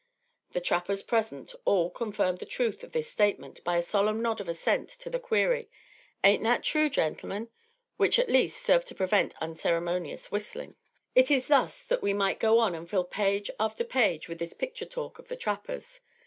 The trappers present all confirmed the truth of this statement by a solemn nod of assent to the query, "Ain't that true, gentlemen?" which, at least, served to prevent unceremonious whistling. It is thus that we might go on and fill page after page with this picture talk of the trappers.